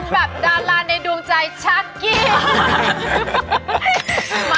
เป็นแบบดาราในดวงใจชักกิ้น